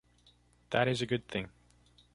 That is a good thing.